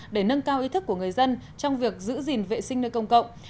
để nâng cao ý thức của người dân trong việc giữ gìn vệ sinh nơi công cộng